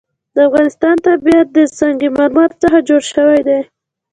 د افغانستان طبیعت له سنگ مرمر څخه جوړ شوی دی.